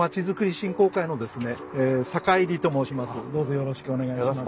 よろしくお願いします。